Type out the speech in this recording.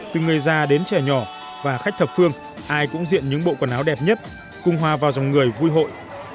từ người già đến trẻ nhỏ và khách thập phương ai cũng diện những bộ quần áo đẹp nhất cung hòa vào dòng người vui hội